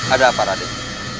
ada apa raden